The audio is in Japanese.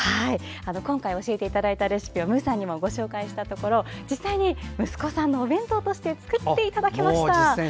今回教えていただいたレシピをむうさんにもご紹介したところ実際に息子さんのお弁当として作っていただけました。